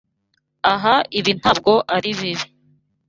Ahari ibi ntabwo ari bibi.